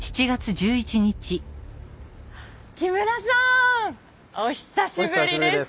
木村さんお久しぶりです。